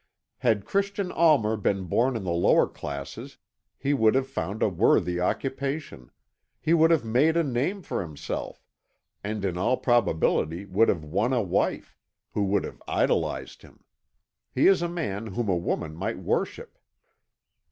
Had Christian Almer been born in the lower classes he would have found a worthy occupation; he would have made a name for himself, and in all probability would have won a wife who would have idolised him. He is a man whom a woman might worship."